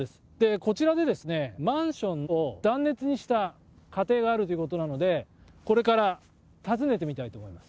こちらでマンションを断熱にした家庭があるということなのでこれから訪ねてみたいと思います。